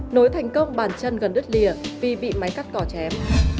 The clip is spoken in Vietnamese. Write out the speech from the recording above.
nối thành công bàn chân gần đất lìa vì bị máy cắt cỏ chém